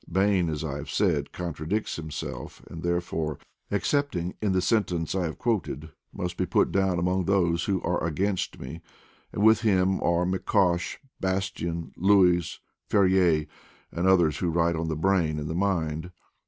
Bain, as I have said, contradicts himself, and therefore, excepting in the sentence I have quoted, must be put down among those who are against me; and with him are McCosh, Bastian, Luys, Ferrier, and others who write on the brain and the mind.